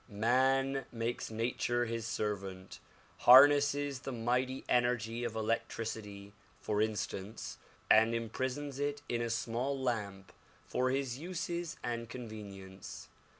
Man makes nature his servant; harnesses the mighty energy of electricity for instance and imprisons it in a small lamp for his uses and convenience.